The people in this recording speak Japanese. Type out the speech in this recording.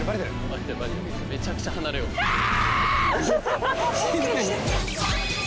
めちゃくちゃ離れよう・あー！